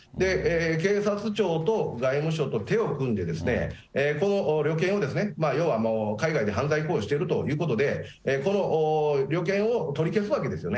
警察庁と外務省と手を組んで、この旅券を、要はもう、海外で犯罪行為をしているということで、この旅券を取り消すわけですよね。